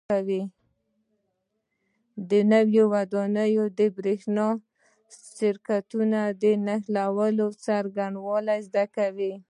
د یوې ودانۍ د برېښنا سرکټونو د نښلولو څرنګوالي زده کوئ.